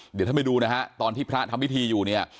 เดี๋ยวท่านไปดูนะฮะตอนที่พระทำพิธีอยู่เนี่ย